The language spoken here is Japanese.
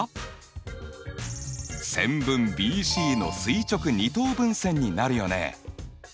線分ＢＣの垂直二等分線になるよね。